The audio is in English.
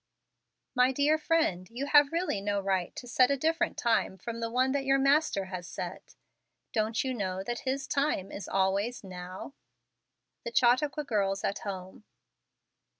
My dear friend, you have really no right to set a different time from the one that your Master has set. Don't you know that His time is always now ? The Chautauqua Girls at Home.